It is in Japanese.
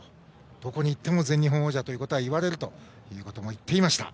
どこに行っても全日本王者というのは言われるということも言っていました。